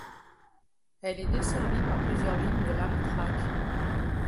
Elle est desservie par plusieurs lignes de l'Amtrak.